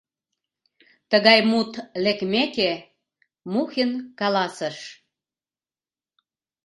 Тыгай мут лекмеке, Мухин каласыш: